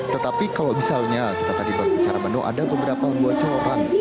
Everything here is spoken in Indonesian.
tetapi kalau misalnya kita tadi berbicara menu ada beberapa bocoran